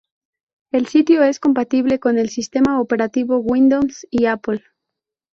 El sitio es compatible con el sistema operativo Windows y Apple.